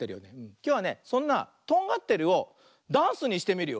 きょうはねそんな「とんがってる」をダンスにしてみるよ。